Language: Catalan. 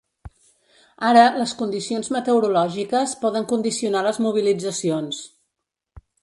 Ara, les condicions meteorològiques poden condicionar les mobilitzacions.